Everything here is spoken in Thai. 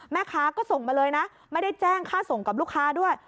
แม่ค้าก็ส่งมาเลยนะไม่ได้แจ้งค่าส่งกับลูกค้าด้วย